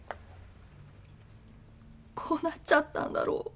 こうなっちゃったんだろう？